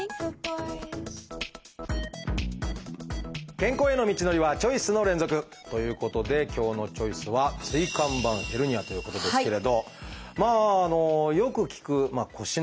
健康への道のりはチョイスの連続！ということで今日の「チョイス」はまあよく聞く腰の病気ということですかね。